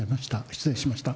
失礼しました。